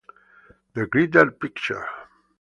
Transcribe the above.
The greater picture.